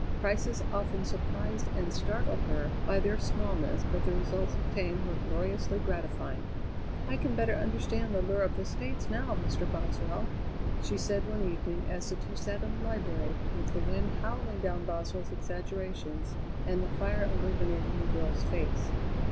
Prices often surprised and startled her by their smallness, but the results obtained were gloriously gratifying. "I can better understand the lure of the States now, Mr. Boswell," she said one evening as the two sat in the library with the wind howling down Boswell's exaggerations and the fire illuminating the girl's face.